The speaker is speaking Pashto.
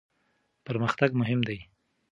پرمختګ مهم دی.